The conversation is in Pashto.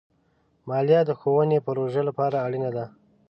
مالیه د ښوونې پروژو لپاره اړینه ده.